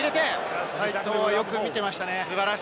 よく見ていましたね。